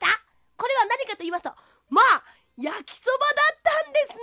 これはなにかといいますとまあやきそばだったんですね！